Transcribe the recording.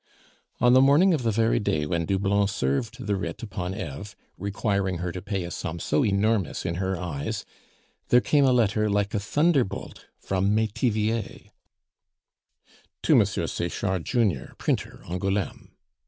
On the morning of the very day when Doublon served the writ upon Eve, requiring her to pay a sum so enormous in her eyes, there came a letter like a thunderbolt from Metivier: _To Monsieur Sechard, Junior, Printer, Angouleme.